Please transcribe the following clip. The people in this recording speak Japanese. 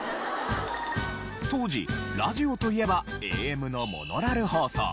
当時ラジオといえばＡＭのモノラル放送。